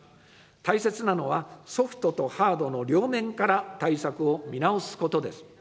大切なのは、ソフトとハードの両面から対策を見直すことです。